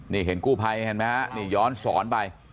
นี่เห็นกู้ภัยเห็นไหมฮะนี่ย้อนสอนไป